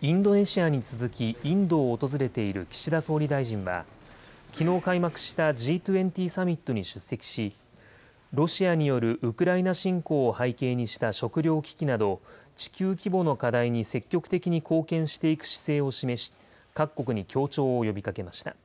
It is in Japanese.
インドネシアに続きインドを訪れている岸田総理大臣は、きのう開幕したＧ２０サミットに出席し、ロシアによるウクライナ侵攻を背景にした食料危機など、地球規模の課題に積極的に貢献していく姿勢を示し、各国に協調を呼びかけました。